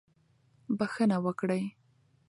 بښنه وکړئ.